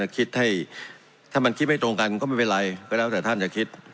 คิดให้ถ้ามันคิดไม่ตรงกันก็ไม่เป็นไรก็แล้วแต่ท่านจะคิด